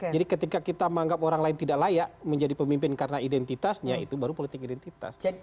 jadi ketika kita menganggap orang lain tidak layak menjadi pemimpin karena identitasnya itu baru politik identitas